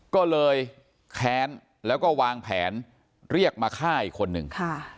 ก็เลยแค้นแล้วก็วางแผนเรียกมาฆ่าอีกคนนึง